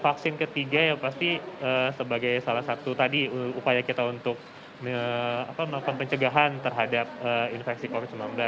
vaksin ketiga ya pasti sebagai salah satu tadi upaya kita untuk melakukan pencegahan terhadap infeksi covid sembilan belas